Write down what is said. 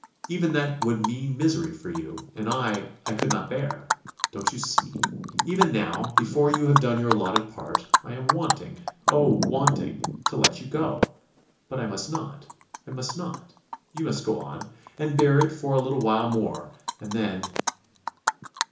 Even that would mean misery for you and I I could not bear. Don't you see? Even now, before you have done your allotted part, I am wanting oh, wanting to let you go.... But I must not; I must not. You must go on ... and bear it for a little while more and then...."